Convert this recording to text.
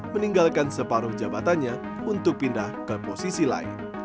meninggalkan separuh jabatannya untuk pindah ke posisi lain